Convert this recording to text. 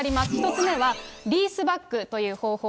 １つ目はリースバックという方法。